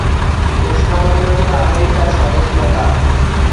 উষ্ণমন্ডলীয় আমেরিকার স্বদেশী লতা।